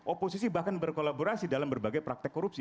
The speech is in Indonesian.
oposisi bahkan berkolaborasi dalam berbagai praktek korupsi